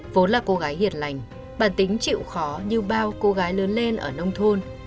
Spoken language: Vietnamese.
vốn là cô gái hiền lành bản tính chịu khó như bao cô gái lớn lên ở nông thôn